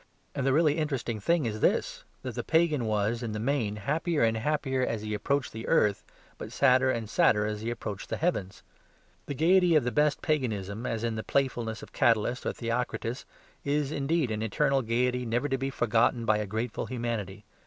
And the really interesting thing is this, that the pagan was (in the main) happier and happier as he approached the earth, but sadder and sadder as he approached the heavens. The gaiety of the best Paganism, as in the playfulness of Catullus or Theocritus, is, indeed, an eternal gaiety never to be forgotten by a grateful humanity.